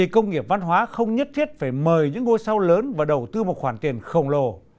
công nghiệp văn hóa không nhất thiết phải mời những ngôi sao lớn và đầu tư một khoản tiền khổng lồ